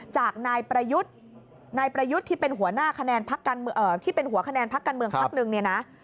จากนายประยุทธ์นายประยุทธ์ที่เป็นหัวหน้าคะแนนพักการเมืองพักหนึ่งเนี่ยนะ